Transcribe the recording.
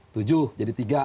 tujuh jadi tiga